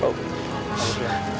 terima kasih ya